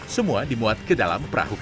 semua dimuat ke dalam perahu karet